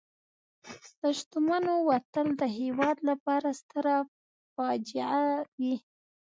د شتمنو وتل د هېواد لپاره ستره فاجعه وي.